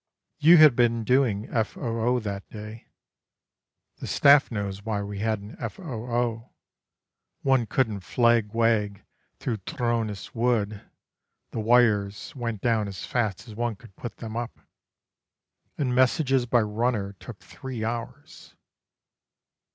You had been doing F.O.O. that day; (The Staff knows why we had an F.O.O.: One couldn't flag wag through Trônes Wood; the wires Went down as fast as one could put them up; And messages by runner took three hours.)